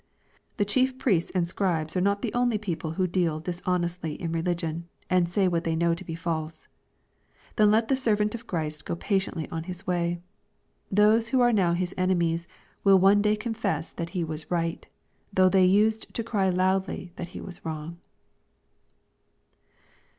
The chief priests and scribes are not the only people who deal dishonestly in religion, and say what they know to be false. Then let the servant of Christ go patiently on his way. Those who are now his enemies, will one day confess that he was right, though they used to cry loudly that he was wrong.